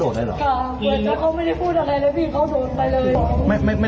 เราจะซื้อหมาแล้ววันนี้หนูไปซื้อหมา